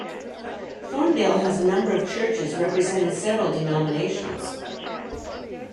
Thorndale has a number of churches, representing several denominations.